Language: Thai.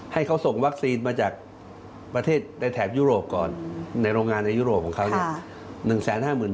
ให้เขาส่งวัคซีนมาจากประเทศในแถบยุโรปก่อนในโรงงานในยุโรปของเขาเนี่ย